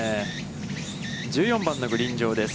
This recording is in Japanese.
１４番のグリーン上です。